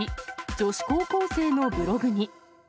女子高校生のブログに。